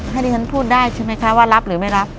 ให้ดิฉันพูดได้ใช่ไหมคะว่ารับหรือไม่รับ